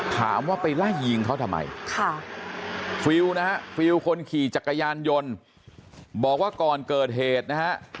ถามว่าไปไล่ยิงเขาทำไมฟิลล์นะฮะฟิลคนขี่จักรยานยนต์บอกว่าก่อนเกิดเหตุนะฮะ